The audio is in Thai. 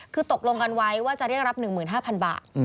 คือตกลงกันไว้ว่าจะเรียกรับ๑๕๐๐บาท